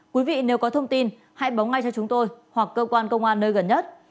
quý vị nếu có thông tin hãy báo ngay cho chúng tôi hoặc cơ quan công an nơi gần nhất